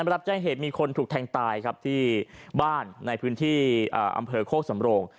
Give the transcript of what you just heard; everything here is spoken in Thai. รับแจ้งเหตุมีคนถูกแทงตายครับที่บ้านในพื้นที่อำเภอโคกสำโรง